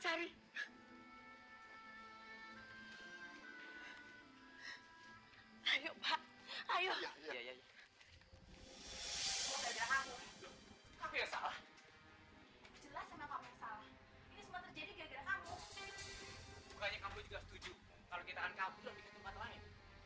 tapi ini semua terjadi gaya gaya kamu yang salah sama aku